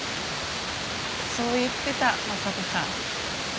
そう言ってた昌子さん。